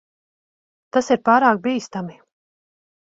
Tas ir pārāk bīstami.